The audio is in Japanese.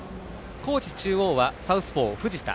高知中央はサウスポー、藤田。